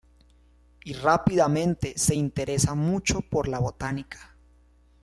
Y rápidamente se interesa mucho por la botánica.